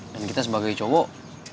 dan kita sebagai cowok